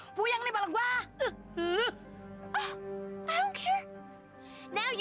aku tak peduli sekarang pergi dari sini